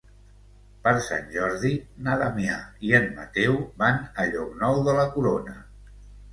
Per Sant Jordi na Damià i en Mateu van a Llocnou de la Corona.